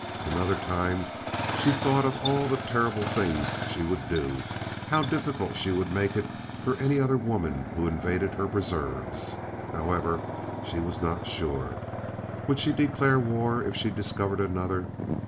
Another time she thought of all the terrible things she would do, how difficult she would make it for any other woman who invaded her preserves. However, she was not sure. Would she declare war if she discovered another?